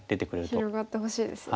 広がってほしいですよね。